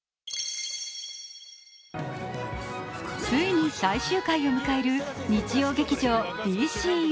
ついに最終回を迎える日曜劇場「ＤＣＵ」。